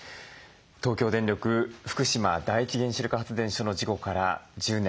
東京電力福島第一原子力発電所の事故から１０年。